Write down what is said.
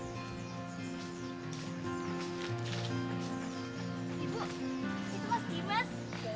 ibu itu mas dimas